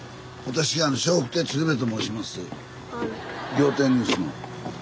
「仰天ニュース」の。